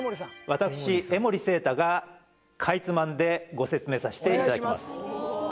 私江守正多がかいつまんでご説明させていただきます